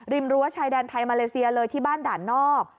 รั้วชายแดนไทยมาเลเซียเลยที่บ้านด่านนอก